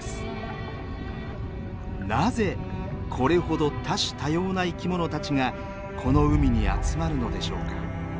なぜこれほど多種多様な生きものたちがこの海に集まるのでしょうか？